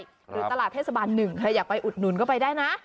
หรือตลาดเทศบาล๑ใครอยากไปอุดหนุนก็ไปได้นะ